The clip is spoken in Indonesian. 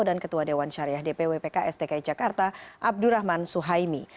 dan ketua dewan syariah dpw pks dki jakarta abdurrahman suhaimi